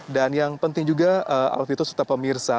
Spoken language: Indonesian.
dan yang penting juga alfiton serta pemirsa